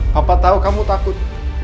papa tahu kamu takut